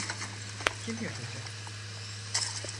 Kim yapacak?